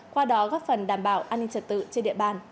qua đó góp phần đảm bảo an ninh trật tự trên địa bàn